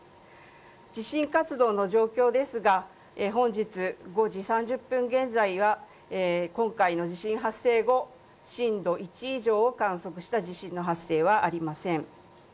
地震活動の状況ですが、本日５時３０分現在、今回の地震発生後、震度１以上を観測した地震の発生はありません。